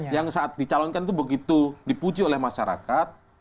yang saat dicalonkan itu begitu dipuji oleh masyarakat